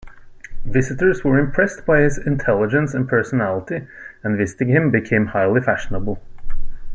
Visitors were impressed by his intelligence and personality, and visiting him became highly fashionable.